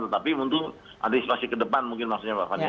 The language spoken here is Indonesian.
tapi untuk situasi ke depan mungkin maksudnya mbak fani